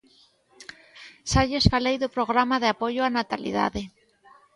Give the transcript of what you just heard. Xa lles falei do Programa de apoio á natalidade.